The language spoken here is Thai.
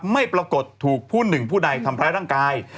ไม่ปรากฏถูกผู้หนึ่งผู้ใดทำร้ายร่างกาย